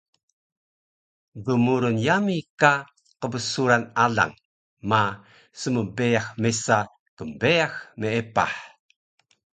Dmurun yami ka qbsuran alang ma smbeyax mesa knbeyax meepah